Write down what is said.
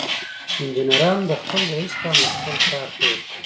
انجنيرانو د خپل رئيس په امر خپل کار پيل کړ.